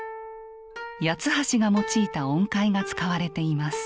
八橋が用いた音階が使われています。